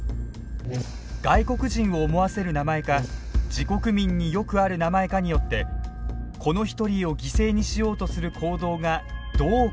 外国人を思わせる名前か自国民によくある名前かによってこの一人を犠牲にしようとする行動がどう変わるか調べたのです。